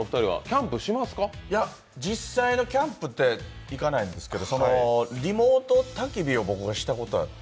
実際のキャンプっていかないんですけどリモートたき火をしたことがあって。